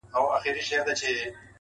• ه ولي په زاړه درد کي پایماله یې.